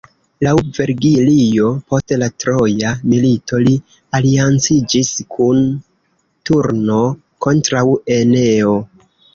Laŭ Vergilio, post la Troja milito li alianciĝis kun Turno kontraŭ Eneo.